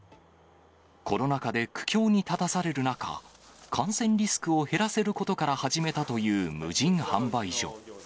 コロナ禍で苦境に立たされる中、感染リスクを減らせることから始めたという無人販売所。